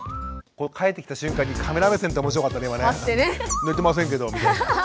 帰ってきた瞬間にカメラ目線って面白かったね。